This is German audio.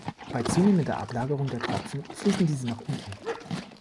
Bei zunehmender Ablagerung der Tropfen fließen diese nach unten.